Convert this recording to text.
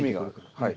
はい。